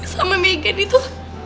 sama megan itu